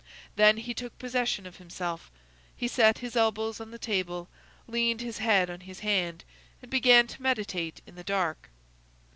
Then he took possession of himself: he set his elbows on the table, leaned his head on his hand, and began to meditate in the dark.